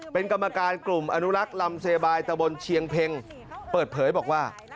เป็นกรรมการกลุ่มอนุรักษ์ลำเซบายตะบนเชียงเพ็งเปิดเผยบอกว่า